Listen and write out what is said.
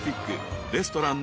［レストランなど］